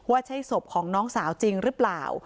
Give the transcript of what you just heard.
ใช่ศพของน้องสาวจริงหรือเปล่า